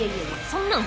そんなん